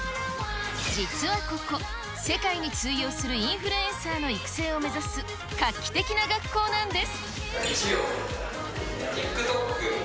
実はここ、世界に通用するインフルエンサーの育成を目指す、画期的な学校なんです。